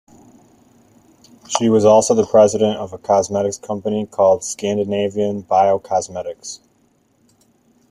She also was the president of a cosmetics company called Scandinavian Biocosmetics.